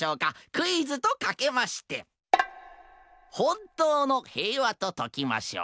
クイズとかけましてほんとうのへいわとときましょう。